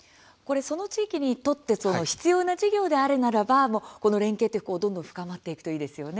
その地域にとって必要な事業であるならばこの連携が、どんどん深まっていくといいですよね。